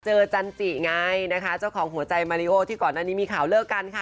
จันจิไงนะคะเจ้าของหัวใจมาริโอที่ก่อนหน้านี้มีข่าวเลิกกันค่ะ